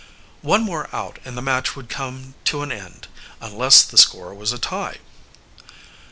One more out and the match would come to an end, unless the score was a tie.